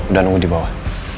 udah nunggu di bawah